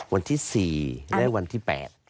วันที่๔และวันที่๘